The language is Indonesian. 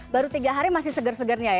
baru tiga hari masih segar segarnya ya